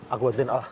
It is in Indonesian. aku buatin al